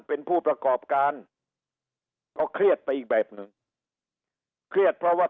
เป็นผู้ประกอบการก็เครียดไปอีกแบบหนึ่งเครียดเพราะว่า